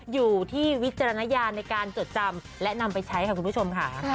อยู่ที่วิจารณญาณในการจดจำและนำไปใช้ค่ะคุณผู้ชมค่ะ